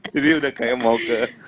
jadi udah kayak mau ke